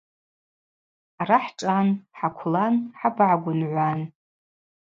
Хӏара хӏшӏан, хӏаквлан, хӏабагӏагвынгӏвуан.